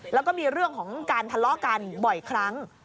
แล้วก็มีเรื่องของการทะเลาะกันบ่อยครั้ง